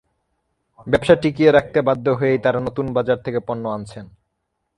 ব্যবসা টিকিয়ে রাখতে বাধ্য হয়েই তাঁরা নতুন বাজার থেকে পণ্য আনছেন।